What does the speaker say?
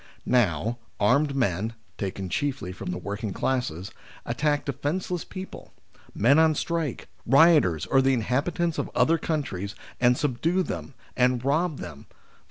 Now, armed men (taken chiefly from the working classes) attack defence less people : men on strike, rioters, or the inhabitants of other countries, and subdue them, and rob them (i.e.